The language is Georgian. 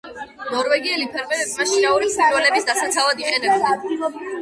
ნორვეგიელი ფერმერები მას შინაური ფრინველების დასაცავად იყენებენ.